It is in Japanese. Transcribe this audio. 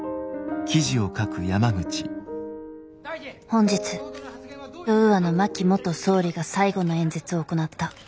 本日ウーアの真木元総理が最後の演説を行った。